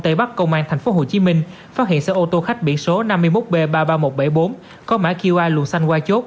tây bắc công an tp hcm phát hiện xe ô tô khách biển số năm mươi một b ba mươi ba nghìn một trăm bảy mươi bốn có mã qa lùi xanh qua chốt